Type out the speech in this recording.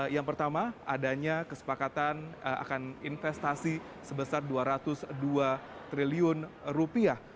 yang pertama adanya kesepakatan akan investasi sebesar dua ratus dua triliun rupiah